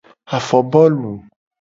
Afobolu.